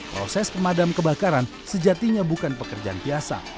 proses pemadam kebakaran sejatinya bukan pekerjaan biasa